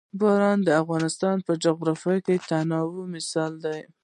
باران د افغانستان د جغرافیوي تنوع مثال دی.